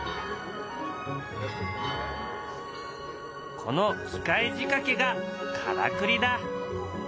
この機械仕掛けがからくりだ。